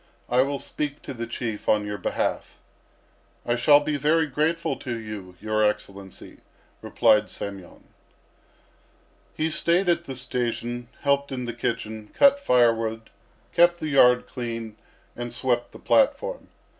I will speak to the Chief on your behalf." "I shall be very grateful to you, your Excellency," replied Semyon. He stayed at the station, helped in the kitchen, cut firewood, kept the yard clean, and swept the platform.